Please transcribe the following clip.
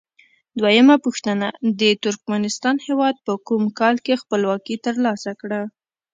دویمه پوښتنه: د ترکمنستان هیواد په کوم کال کې خپلواکي تر لاسه کړه؟